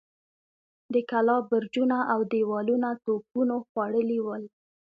د کلاوو برجونه اودېوالونه توپونو خوړلي ول.